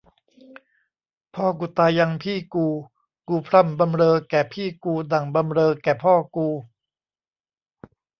พ่อกูตายยังพี่กู กูพร่ำบำเรอแก่พี่กูดั่งบำเรอแก่พ่อกู